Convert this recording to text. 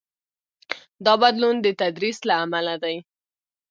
دا بدلون د تدریس له امله دی.